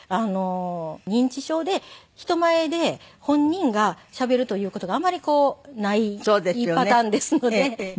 認知症で人前で本人がしゃべるという事があまりないパターンですので。